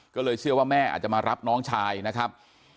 ก็เลยเชื่อว่าแม่อาจจะมารับน้องชายนะครับ